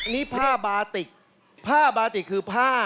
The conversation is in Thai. นี่ผ้าบาติกผ้าบาติกคือผ้า